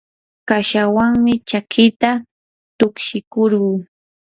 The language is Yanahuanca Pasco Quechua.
kashawanmi chakita tukshikurquu.